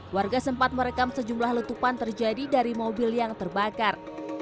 warga sempat merekam sejumlah letupan terjadi dari mobil yang terbakar